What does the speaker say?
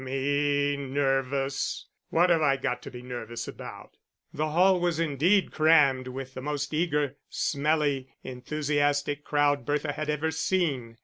"Me, nervous? What have I got to be nervous about?" The hall was indeed crammed with the most eager, smelly, enthusiastic crowd Bertha had ever seen.